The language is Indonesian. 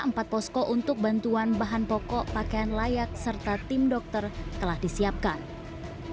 empat posko untuk bantuan bahan pokok pakaian layak serta tim dokter telah disiapkan